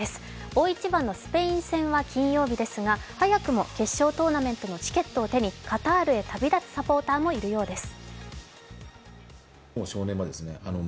大一番のスペイン戦は金曜日ですが、早くも決勝トーナメントのチケットを手にカタールへ旅立つサポーターもいるようです。